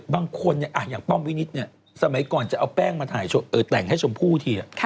บางคนอย่างป้อมวินิษย์สมัยก่อนจะเอาแป้งมาต่างให้ชมผู้ที่